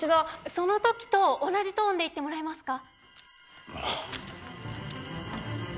その時と同じトーンで言ってもらえますか？